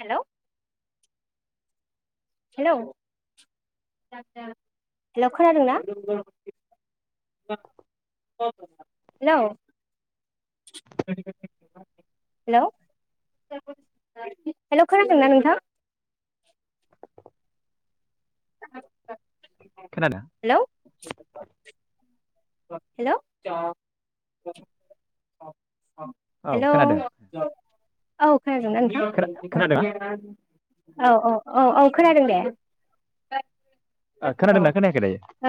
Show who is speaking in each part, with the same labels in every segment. Speaker 1: Hello hello hello खोनादोंना [unintelligible] hello hello hello खोनादोंना नोंथां?
Speaker 2: [inaudible]
Speaker 1: [inaudible]
Speaker 2: खोनादों
Speaker 1: हेलौ हेलौ
Speaker 2: औ
Speaker 1: हेलौ
Speaker 2: खोनादों
Speaker 1: औ खोनादों ना
Speaker 2: खोना खोनादों
Speaker 1: नोंथां औ औ औ औ खोनादों दे
Speaker 2: ओ,
Speaker 1: औ
Speaker 2: खोनादोंना खोनायाखै दायो
Speaker 1: ओ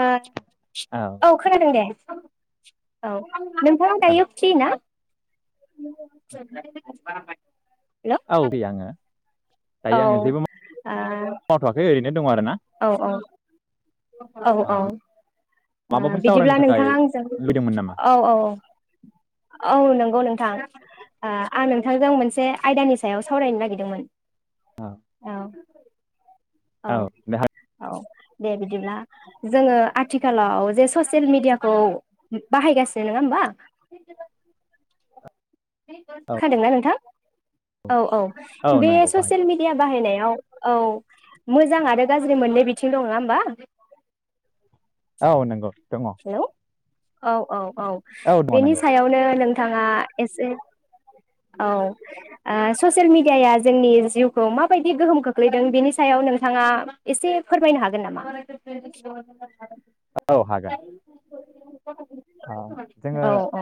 Speaker 1: औ खोनादों दे औ नोंथाङा
Speaker 2: औ
Speaker 1: दायो फ्रि ना? [unintelligible] हेलौ
Speaker 2: औ फै आङो दायो आङो जेबो
Speaker 1: औ आ
Speaker 2: मावथ'वाखै ओरैनो दङ आरो ना
Speaker 1: औ औ औ
Speaker 2: ओ,
Speaker 1: औ आ
Speaker 2: माबाफोर सावरायनो
Speaker 1: बिदिब्ला नों
Speaker 2: थाखाय
Speaker 1: नोंथाङा आंजों
Speaker 2: लुबैदोंमोन नामा
Speaker 1: औ औ औ औ नंगौ नोंथां। आ आं नोंथांजों मोनसे आयदानि सायाव सावरायनो नागिरदोंमोन। औ औ
Speaker 2: दे हा-
Speaker 1: औ दे बिदिब्ला जोङो आथिखालाव जे ससियेल मिडियाखौ बाहायगासिनो नोङा होमबा
Speaker 2: औ
Speaker 1: खोनादोंना नोंथां? औ औ
Speaker 2: औ
Speaker 1: बे
Speaker 2: नंगौ बाहायदों
Speaker 1: ससियेल मिडिया बाहायनाया औ औ मोजां आरो गाज्रि मोननै बिथिं दं नोङा होमबा
Speaker 2: औ नोंगौ
Speaker 1: हेलौ औ औ औ
Speaker 2: दङ
Speaker 1: बेनि
Speaker 2: नंगौ
Speaker 1: सायावनो नोंथाङा एसे औ ओ ससियेल मिडियाया जोंनि जिउखौ माबायदि गोहोम खोख्लैदों बेनि सायाव नोंथाङा एसे फोरमायनो हागोन नामा?
Speaker 2: औ हागोन। आं जों
Speaker 1: औ
Speaker 2: ओ
Speaker 1: औ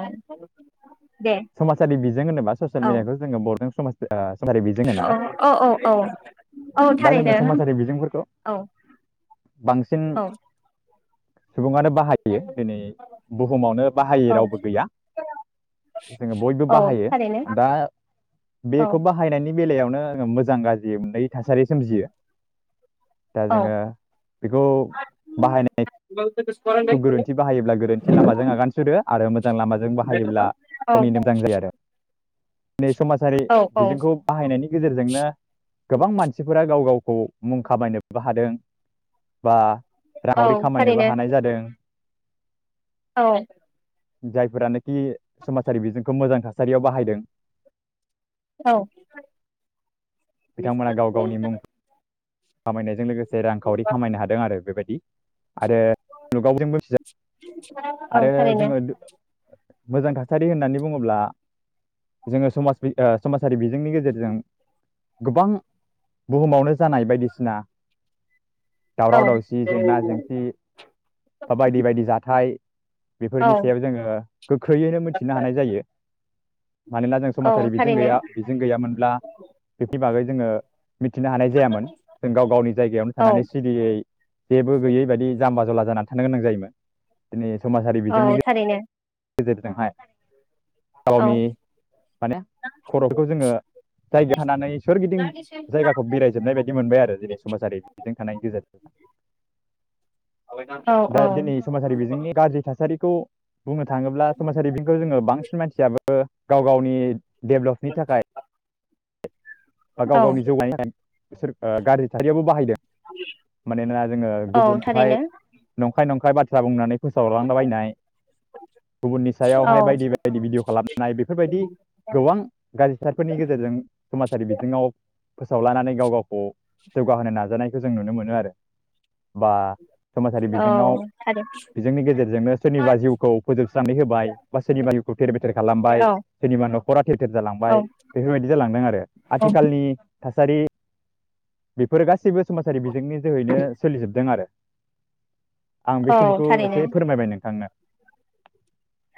Speaker 1: दे
Speaker 2: समाजारि बिजों होनोबा। ससेल
Speaker 1: औ
Speaker 2: मिडियाखौ जोङो बरदों। [unintelligible]
Speaker 1: औ औ औ औ औ
Speaker 2: दा जोङो
Speaker 1: थारैनो
Speaker 2: समाजारि बिजोंफोरखौ
Speaker 1: औ
Speaker 2: बांसिन
Speaker 1: औ।
Speaker 2: सुबुङानो बाहायो दिनै बुहुमावनो बाहायै
Speaker 1: औ
Speaker 2: रावबो गैया। जोङो बयबो
Speaker 1: औ
Speaker 2: बाहायो
Speaker 1: थारैनो
Speaker 2: दा
Speaker 1: औ
Speaker 2: बेखौ बाहायनायनि बेलायावनो मोजां गाज्रि मोननै थासारि सोमजियो। दा जोङो बेखौ बाहायनाय खौ गोरोन्थि बाहायोब्ला गोरोन्थि लामाजों आगान सुरो आरो मोजां लामाजों बाहायोब्ला
Speaker 1: औ
Speaker 2: गावनि मोजां जायो आरो। नै समाजारि
Speaker 1: औ औ
Speaker 2: बिजोंखौ बाहायनायनि गेजेरजोंनो गोबां मानसिफोरा गाव गाव खौ मुं खामायनोबो हादों। बा
Speaker 1: औ
Speaker 2: रांखावरि खामायनोबो
Speaker 1: थारैनो
Speaker 2: हानाय जादों। [inaudible]
Speaker 1: औ
Speaker 2: जायफोरानोखि समाजारि बिजोंखौ मोजां थासारियाव बाहायदों। बिथांमोना गाव गावनि मुं
Speaker 1: औ
Speaker 2: खामायनायजों लोगोसे रांखावरि खामायनो हादों आरो बेबायदि आरो मुलुगाव जोंबो मिथिजा
Speaker 1: औ
Speaker 2: आरो
Speaker 1: थारैनो।
Speaker 2: जोङो मोजां थासारि होननानै बुङोब्ला जोङो समाज समाज [unintelligible] नि गेजेरजों गोबां बुहुमावनो जानाय बायदिसिन सिना।
Speaker 1: औ
Speaker 2: दावराव दावसि जेंना जेंसि बा बायदि बायदि जाथाय
Speaker 1: औ
Speaker 2: बेफोरनि सायाव जोङो गोख्रैयैनो मोनथिनो हानाय जायो। मानोना जों
Speaker 1: औ
Speaker 2: समाजारि बिजों
Speaker 1: थारैनो
Speaker 2: गैया बिजों गैयामोनब्ला बेकनि बागै। जोङो मिथिनो हानाय जायामोन। जों गाव गावनि जायगायावनो
Speaker 1: औ
Speaker 2: थानानै सिरियै जेबो गैयै बायदि जाम्बा जला जानानै था जायोमोन दि
Speaker 1: औ थारैनो
Speaker 2: [unintelligible]
Speaker 1: औ
Speaker 2: गावनि माने खर'फोरखौ जोङो जायगा हानानै सोरगिदिं जायगाखौ बेरायजोबनाय बायदि [unintelligible]
Speaker 1: औ
Speaker 2: थानाय
Speaker 1: औ
Speaker 2: दिनै समाजारि बिजोंनि गाज्रि थासारि [unintelligible] बुंनो थाङोब्ला समाजारि बिंखौ जोङो बांसिन मानसियाबो गाव गावनि डेभेलपनि थाखाय बा
Speaker 1: औ
Speaker 2: गाव गावनि जौगानाय [unintelligible] बिसोर ओ गाज्रि थारियाबो बाहायदों मानोना जोङो गुबुनखौहाय
Speaker 1: थारैनो औ थारै
Speaker 2: नंखाय नंखा बाथ्रा बुंनानै फोसावलांलाबायनाय गुबुननि
Speaker 1: औ थारैनो
Speaker 2: सायावहाय
Speaker 1: औ
Speaker 2: बायदि बायदि भिडिय' खालामनाय बेफोरबायदि गोबां गाज्रि सारफोरनि गेजेरजों समाजारि बिथिङाव फोसाव लानानै गाव गाव जौगाहोनो नाजानाय गो जों नुनो मोन आरो बा समाजारि
Speaker 1: औ
Speaker 2: बिजोङाव बिजोंनि गेजेरजोंनो सोरनिबा जिउखौ फोजोबस्रनानै होबाय बा सोरनिबा जिउखौ थेर बेथेर खालामबाय सोरनिबा न'खरा थेर थेर जालांबाय बेफोरबायदि जालांदों आरो आथिखालनि थासारि बेफोर गासिबो समाजारि बिजोंनि [unintelligible] सोलि जोबदों आरो आं
Speaker 1: औ
Speaker 2: बेखिनिखौ
Speaker 1: थारैनो
Speaker 2: एसे फोरमायबाय नोंथांनो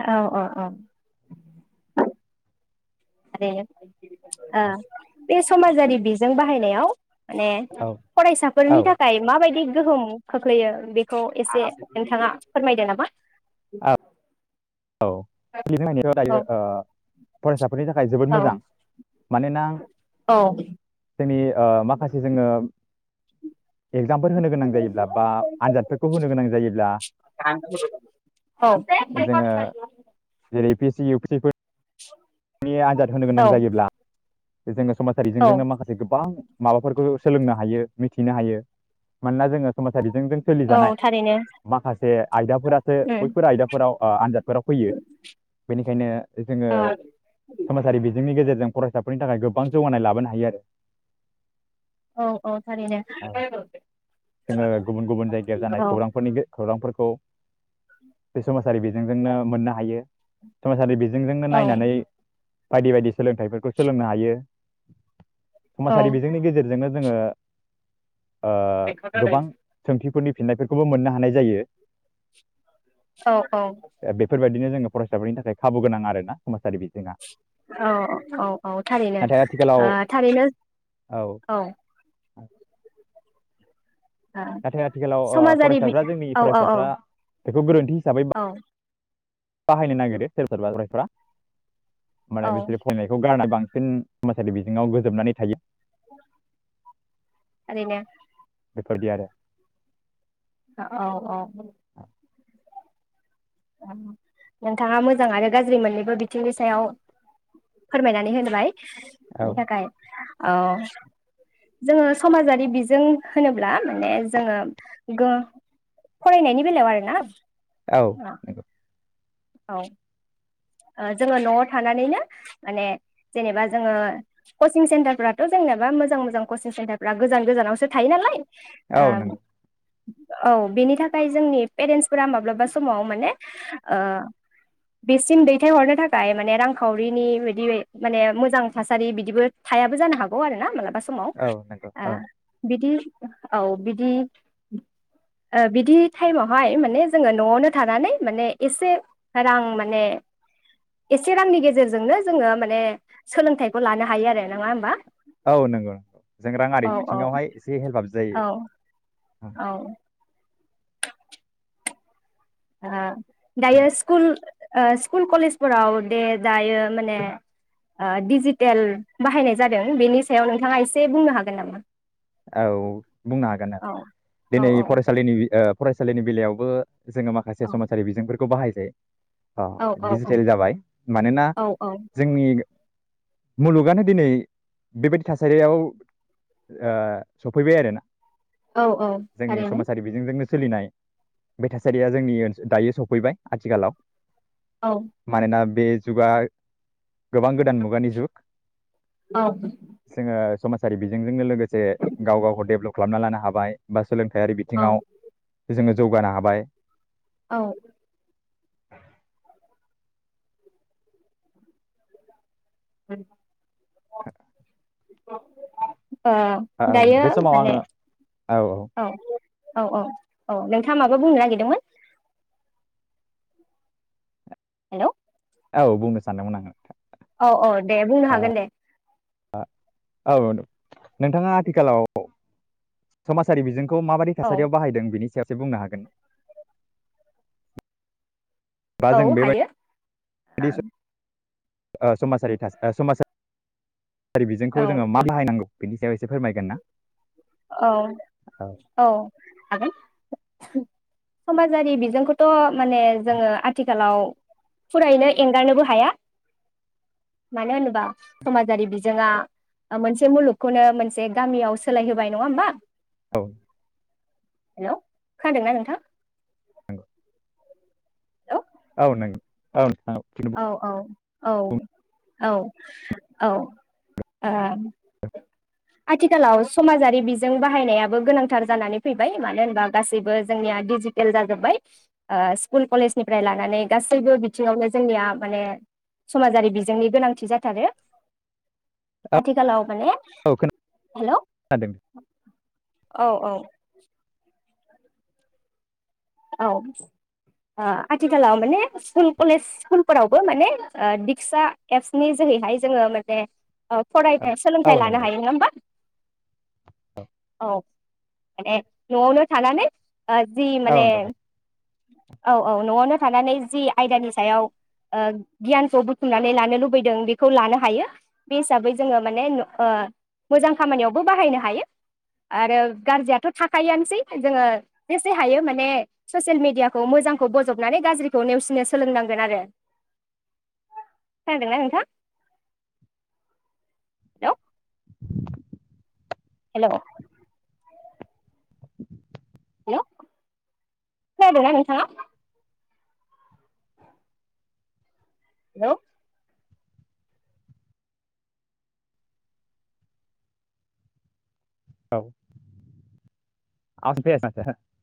Speaker 1: औ औ औ आरोे आ बे समाजारि बिजों बाहायनायाव माने
Speaker 2: औ
Speaker 1: फरायसाफोरनि
Speaker 2: औ
Speaker 1: थाखाय माबायदि गोहोम खोख्लैयो बेखौ एसे नोंथाङा फोरमायदो नामा
Speaker 2: औ [unintelligible]
Speaker 1: औ
Speaker 2: दायो ओ फरायसाफोरनि थाखाय जोबोद मोजां मानोना जोंनि ओ माखासे जोङो एग्जामफोर होनो गोनां जायोब्ला बा आनजादफोरखौ होनो गोनां जायोब्ला
Speaker 1: औ
Speaker 2: जोङो जेरै पि सि इउ पि फोर
Speaker 1: [inaudible]
Speaker 2: नि आनजाद होनो गोनां
Speaker 1: औ
Speaker 2: जायोब्ला जोङो समाजारि
Speaker 1: औ
Speaker 2: [unintelligible] माखासे गोबां माबाफोरखौ सोलोंनो हायो मिथिनो हायो मानोना जोङो समाज सा बिजोंजों सोलिजानाय
Speaker 1: औ थारैनो
Speaker 2: माखासे आयदाफोरासो
Speaker 1: उम
Speaker 2: बैफोर आयदाफोराव आ आनजादफोराव फैयो बेनिखायनो जोङो
Speaker 1: औ
Speaker 2: समाजारि बिजोंनि गेजेरजों फरायसाफोरनि थाखाय गोबां जौगानाय लाबोनो हायो आरो
Speaker 1: औ औ थारैनो
Speaker 2: औ जोङो गुबुन गुबुन जायगायाव जानाय
Speaker 1: औ
Speaker 2: खौरांफोरनि गो खौरांफोर‌ खौ बे सम सारि बिजोंजोंनो मोननो हायो समाजारि बिजोंजोंनो नायनानै बायदि बायदि सोलोंथाइफोरखौ सोलोंनो हायो।
Speaker 1: औ
Speaker 2: समाजारि बिजोंनि गेजेरजोंनो जोङो ओ गोबां सोंथिफोरनि फिननायफोरखौबो मोननो हानाय जायो।
Speaker 1: औ औ
Speaker 2: बिदिनो जोङो फरायसाफोरनि थाखाय खाबु गोनां आरो ना समोमाजारि बिजोङा
Speaker 1: औ औ औ थारैनो
Speaker 2: नाथाय आथिखालाव
Speaker 1: ओ थारैनो औ
Speaker 2: औ
Speaker 1: ओ
Speaker 2: नाथाय आथिखालाव ओ
Speaker 1: समाजारि बि
Speaker 2: फरायसाफ्रा जोंनि
Speaker 1: औ औ
Speaker 2: फरायसाफ्रा बेखौ गोरोन्थि हिसाबै
Speaker 1: औ
Speaker 2: बाहायनो नागिरो सोर सोरबा लाग्राफ्रा
Speaker 1: औ
Speaker 2: माने बिसोरो फैनायखौ गारना बां साबसिन समाजारि बिजोङाव गोजोमनानै थायो।
Speaker 1: थारैनो
Speaker 2: बेफोरदि आरो
Speaker 1: औ औ नोंथाङा मोजां आरो गाज्रि मोननैबो बिथिंनि सायाव फोरमायनानै होनबाय
Speaker 2: आरो
Speaker 1: बेनि थाखाय औ जोङो समाजारि बिजों होनोब्ला माने जोङो फरायनायनि बेलायाव आरो ना
Speaker 2: औ।
Speaker 1: औ ओ जोङो न'आव थानानैनो माने जेनेबा जोङो कचिं सेन्टारफ्राथ' जेनेबा मोजां मोजां कचिं सेन्टारफ्रा गोजान गोजानावसो थायो नालाय
Speaker 2: औ
Speaker 1: ओ
Speaker 2: नंगौ ।
Speaker 1: औ बेनि थाखाय जोंनि पेरेन्टसफोरा माब्लाबा समाव माने ओ बेसिम दै थायहरनो थाखाय माने रांखावरिनि बिदि माने मोजां थासारि बिदिबो थायाबो जानो हागौ आरो ना मालाबा स समाव
Speaker 2: औ नंगौ
Speaker 1: ओ
Speaker 2: औ
Speaker 1: बिदि औ बिदि बिदि टाइमावहाय माने जोङो न'आवनो थानानै माने एसे रां माने एसे रांनि गेजेरजोंनो जोङो माने सोलोंथाइखौ लानो हायो आरो नङा होनबा
Speaker 2: औ नंगौ जों राङारि
Speaker 1: औ
Speaker 2: बिथिङावहाय एसे हेल्प आब जायो
Speaker 1: औ औ ओ दायो स्कुल ओ स्कुल कलेजफोराव दे दायो माने ओ डिजिटेल बाहायनाय जादों बेनि सायाव नोंथाङा एसे बुंनो हागोन नामा
Speaker 2: औ बुंनो हागोन ओं
Speaker 1: औ औ
Speaker 2: दिनै
Speaker 1: औ
Speaker 2: फरायसालिनि ओ फरायसालिनि बेलायावबो जोङो माखासे
Speaker 1: औ
Speaker 2: समाजारि बिजोंफोरखौ खौ बाहायजायो ओ
Speaker 1: औ औ औ
Speaker 2: डिजिटेल जाबाय मानोना
Speaker 1: औ औ
Speaker 2: जोंनि मुलुगानो दिनै बेबायदि थासारियाव ओ सफैबाय आरोना
Speaker 1: औ औ
Speaker 2: जोंनि
Speaker 1: थारैनो
Speaker 2: समाजारि बिजोंजोंनो सोलिनाय बे थासारिया जोंनि दायो सफैबाय आथिखालाव
Speaker 1: औ
Speaker 2: मानोना बे जुगार गोबां गोदान मुगानि जुग
Speaker 1: औ
Speaker 2: जोङो समाज फारि बिजोंजोंनो लोगो जे गाव गावखौ डेभेलप खालामना लानो हाबाय बा सोलोंथाइयारि
Speaker 1: औ
Speaker 2: बिथिङाव जोङो जौगानो हाबाय
Speaker 1: औ
Speaker 2: [inaudible]
Speaker 1: [inaudible]
Speaker 2: [unintelligible]
Speaker 1: [unintelligible] ओ दायो
Speaker 2: बे समाव
Speaker 1: माने
Speaker 2: आङो
Speaker 1: औ औ औ औ नोंथाङा माबा बुंनो नागिरदोंमोन हेलौ
Speaker 2: औ बुंनो सानदोंमोन आं नोंथां
Speaker 1: औ औ दे बुंनो हागोन दे
Speaker 2: आ औ नोंथाङा आथिखालाव समाजारि बिजों खौ माबोरै
Speaker 1: औ
Speaker 2: थासारियाव बाहायदों बेनि सायाव एसे बुंनो हागोन। बा
Speaker 1: औ
Speaker 2: जों
Speaker 1: हायो आ
Speaker 2: ओ समासारि थास समासा रि
Speaker 1: औ
Speaker 2: बिजोंखौ जोंङो मा बाहायनांगौ। बिनि सायाव इसे फोरमायगोन ना।
Speaker 1: औ औ हागोन। समाजारि बिजोंखोथ माने जोंङो आथिखालाव फुरायैनो एंगारनोबो हाया मानो होनोबा समाजारि बिजोङा ओ मोनसे मुलुगखौनो मोनसे गामियाव सोलाय होबाय। नंआ ओमबा
Speaker 2: औ
Speaker 1: हेलौ खोनादोंना नोंथां [unintelligible]
Speaker 2: औ नों औ नों
Speaker 1: औ औ औ औ औ ओ आथिखालाव समाजारि बिजों बाहायनायाबो गोनांथार जानानै फैबाय मानो होनबा गासैबो जोंनिया दिडिजिटेल जाजोब्बाय ओ स्कुल कलेजनिफ्राय लानानै गासैबो बिथिङावनो जोंनिया माने समाजारि बिजोंनि गोनांथि जाथारो
Speaker 2: औ
Speaker 1: आथिखालाव। माने
Speaker 2: औ
Speaker 1: हेलौ
Speaker 2: खोनादों
Speaker 1: औ औ औ आथिखालाव माने स्कुल कलेज स्कुलफोरावबो माने दिक्सा एप्सनि जोहैहाय जोंङो माने
Speaker 2: औ
Speaker 1: फराय
Speaker 2: औ
Speaker 1: सोलोंथाय लानो
Speaker 2: नंगौ
Speaker 1: हायो नङा होमबा। औ ए नआवनो थानानै जि
Speaker 2: औ
Speaker 1: माने
Speaker 2: नंगौ
Speaker 1: औ औ नआवनो थानानै जि आयदानि सायाव गियानखौ बुथुमनानै लानो लुबैदों बेखौ लानो हायो बे हिसाबै जोंङो माने मोजां खामानियावबो बाहायनो हायो आरो गाज्रियाथ थाखायो आनोसै जोंङो जेसे हायो माने ससियेल मिडियाखौ मोजांखौ बजबनानै गाज्रिखौ नेवसिनो सोलोंनांगोन आरो खोनादोंना नोंथां हेलौ हेलौ हेलौ खोनादों ना नोंथाङा हेलौ
Speaker 2: औ [unintelligible]